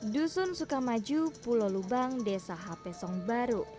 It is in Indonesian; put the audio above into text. dusun sukamaju pulau lubang desa hapesong baru